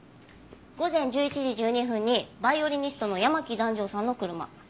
午前１１時１２分にバイオリニストの山木弾正さんの車。